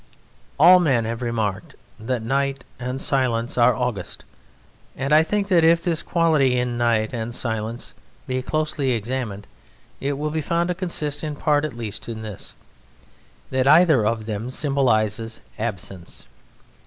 All men have remarked that night and silence are august, and I think that if this quality in night and silence be closely examined it will be found to consist, in part at least, in this: that either of them symbolizes Absence.